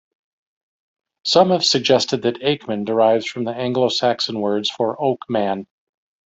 Some have suggested that "Akeman" derives from the Anglo-Saxon words for "oak-man".